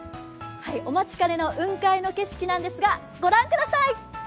お待ちかねの雲海の景色なんですが、御覧ください！